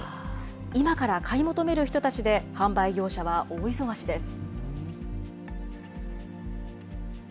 今から買い求める人たちで販売業者は大忙しです。